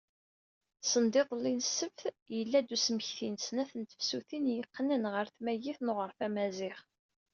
Send iḍelli n ssebt, yella-d usmekti n snat n tefsutin yeqqnen ɣer tmagit n uɣref Amaziɣ.